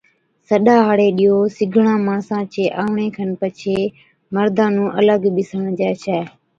سڏا هاڙي ڏِيئو سِگڙان ماڻسان چي آوڻي کن پڇي مردان نُون الڳ ٻِساڻجي ڇَي،